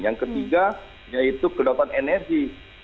yang ketiga yaitu kedapatan energi